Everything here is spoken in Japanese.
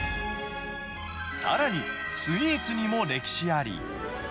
さらに、スイーツにも歴史あり。